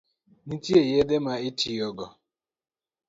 Nitie yedhe ma itiyogo?